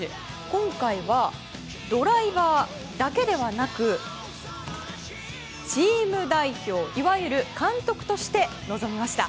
今回はドライバーだけではなくチーム代表いわゆる監督として臨みました。